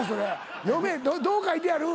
どう書いてある？